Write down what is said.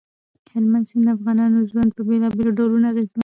هلمند سیند د افغانانو ژوند په بېلابېلو ډولونو اغېزمنوي.